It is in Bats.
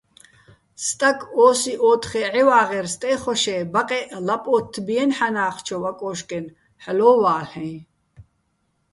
სტაკ ო́სი ო́თხე ჺევაღერ სტე́ხოშ-ე́ ბაყეჸ, ლაპ ოთთბიენი̆ ჵანა́ხჩოვ აკოშკენ, ჰ̦ალო́ ვალეჼ.